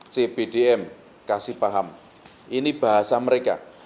cbdm kasih paham ini bahasa mereka